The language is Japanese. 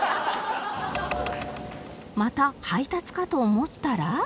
また配達かと思ったら